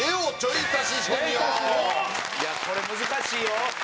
いやこれ難しいよ。